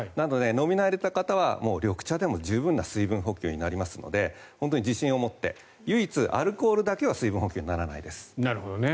飲み慣れたれた方は緑茶でも水分補給になりますので自信を持って唯一アルコールだけは水分補給にはならないです。